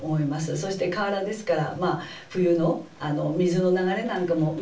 そして河原ですから冬の水の流れなんかも見えてきますよね。